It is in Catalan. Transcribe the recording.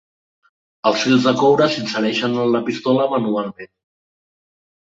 Els fils de coure s'insereixen en la pistola manualment.